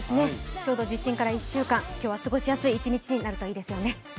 ちょうど地震から１週間今日は過ごしやすい一日になるといいですね。